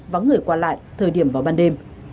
và người quản lại thời điểm vào ban đêm